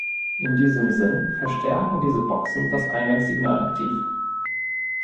In diesem Sinn verstärken diese Boxen das Eingangssignal aktiv.